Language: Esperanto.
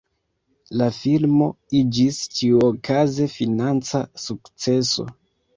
La filmo iĝis ĉiuokaze financa sukceso.